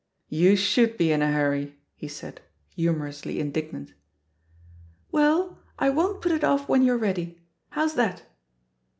"You should be in a hurry," he said, humorously in dignant. "Well, I won't put it off when you're ready. How's tliat?"